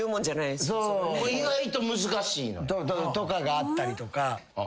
意外と難しい。とかがあったりとか。